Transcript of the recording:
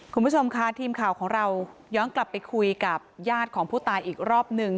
คุณผู้ชมค่ะทีมข่าวของเราย้อนกลับไปคุยกับญาติของผู้ตายอีกรอบหนึ่ง